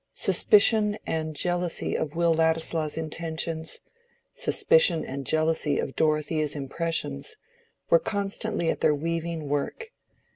Suspicion and jealousy of Will Ladislaw's intentions, suspicion and jealousy of Dorothea's impressions, were constantly at their weaving work.